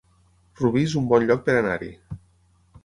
Rubí es un bon lloc per anar-hi